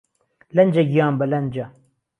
لهنجه گیان به لهنجه